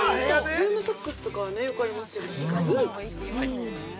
◆ルームソックスとかは分かりますけど、ブーツ？